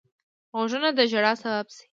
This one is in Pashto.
غوږونه د ژړا سبب شي